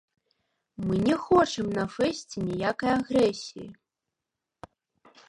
Мы не хочам на фэсце ніякай агрэсіі.